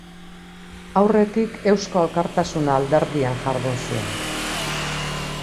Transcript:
Aurretik Eusko Alkartasuna alderdian jardun zuen.